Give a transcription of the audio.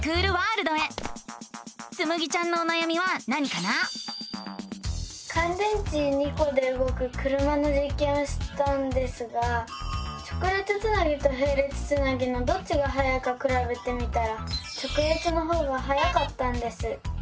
かん電池２コでうごく車のじっけんをしたんですが直列つなぎとへい列つなぎのどっちがはやいかくらべてみたら直列のほうがはやかったんです。